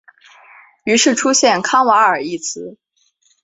于是出现康瓦尔一词。